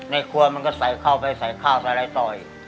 ในครัวมันก็ใส่เข้าไปใส่ข้าวใส่อะไรต่ออีก